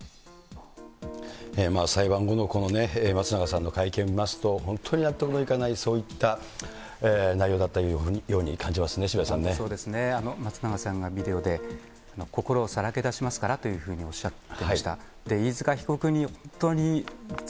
裁判後のこの松永さんの会見を見ますと、本当に納得のいかない、そういった内容だったようにそうですね、松永さんがビデオで、心をさらけ出しますかというふうにおっしゃっていました。